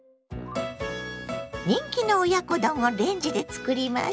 人気の親子丼をレンジで作ります。